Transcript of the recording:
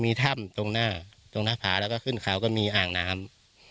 มีถ้ำตรงหน้าตรงหน้าผาแล้วก็ขึ้นเขาก็มีอ่างน้ำ